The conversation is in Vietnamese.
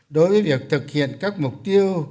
đối với việc thực hiện các mục tiêu